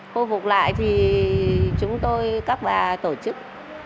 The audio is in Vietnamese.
khôi phục lại thì chúng tôi các bà tổ chức